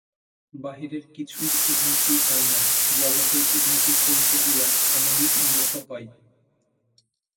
বাহিরের কিছুর উন্নতি হয় না, জগতের উন্নতি করিতে গিয়া আমরাই উন্নত হই।